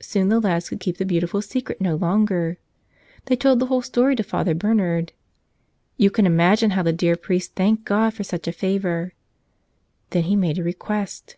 Soon the lads could keep the beautiful secret no longer. They told the whole story to Father Bernard. You can imagine how the dear priest thanked God for such a favor. Then he made a request.